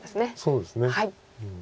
そうですね。